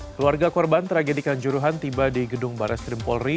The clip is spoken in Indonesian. keluarga korban tragedi kanjuruhan tiba di gedung barreskrim polri